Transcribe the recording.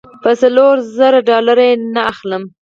په سلو زرو ډالرو رایې نه اخلم.